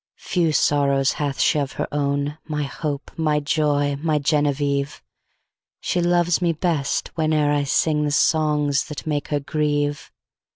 Few sorrows hath she of her own, My hope! my joy! my Genevieve! She loves me best, whene'er I singThe songs that make her grieve.